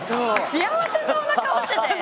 幸せそうな顔してて。